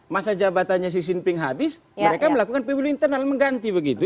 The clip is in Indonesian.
masa jabatannya xi jinping habis mereka melakukan pemilih internal mengganti begitu